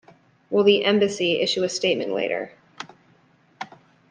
Will the embassy issue a statement later?